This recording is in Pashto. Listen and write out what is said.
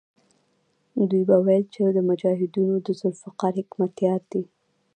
دوی به ویل چې مجاهدونو د ذوالفقار حکمتیار دی.